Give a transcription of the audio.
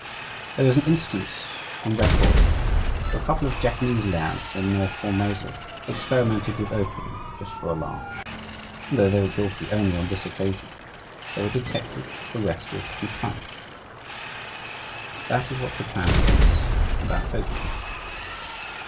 There is an instance on record where a couple of Japanese lads in North Formosa experimented with opium just for a lark; and though they were guilty only on this occasion, they were detected, arrested, and punished." That is what Japan thinks about opium.